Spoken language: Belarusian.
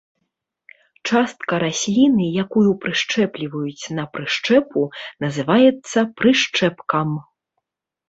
Частка расліны, якую прышчэпліваюць на прышчэпу, называецца прышчэпкам.